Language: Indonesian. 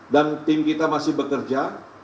dan tim kita masih bekerja